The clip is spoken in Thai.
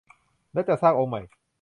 และจัดสร้างองค์ใหม่